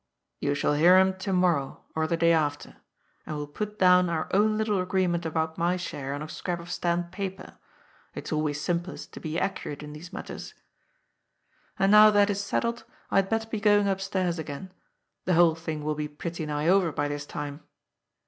" You shall hear him to morrow, or the day after. And we will put down our own little agreement about my share on a scrap of stamped paper. It is always simplest to be accurate in these matters. And now that is settled, I had better be going upstairs again. The whole thing will be pretty nigh over by this time."